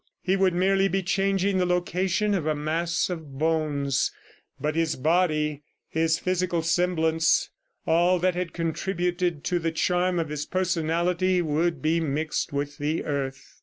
He would merely be changing the location of a mass of bones, but his body, his physical semblance all that had contributed to the charm of his personality would be mixed with the earth.